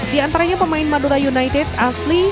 di antaranya pemain madura united asli